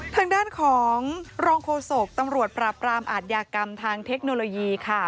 ทางด้านของรองโฆษกตำรวจปราบรามอาทยากรรมทางเทคโนโลยีค่ะ